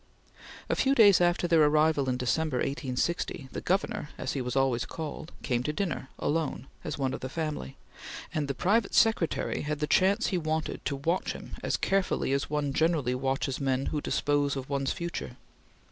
A few days after their arrival in December, 1860, the Governor, as he was always called, came to dinner, alone, as one of the family, and the private secretary had the chance he wanted to watch him as carefully as one generally watches men who dispose of one's future.